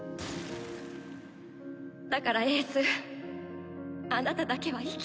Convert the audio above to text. だからエースあなただけは生きて。